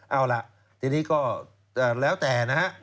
เอาล่ะทีนี้ก็แล้วแต่นะฮะ